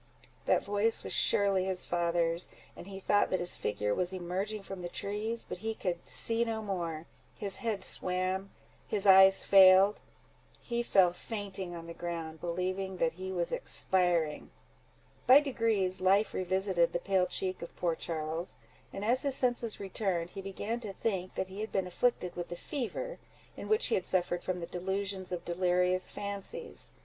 That voice was surely his father's, and he thought that his figure was emerging from the trees; but he could see no more:—his head swam—his eyes failed—he fell fainting on the ground, believing that he was expiring. By degrees life revisited the pale cheek of poor Charles; and as his senses returned, he began to think that he had been afflicted with the fever, in which he had suffered from the delusions of delirious fancies.